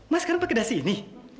mas sekarang pakai dasi ini